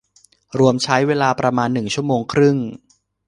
รวมใช้เวลาประมาณหนึ่งชั่วโมงครึ่ง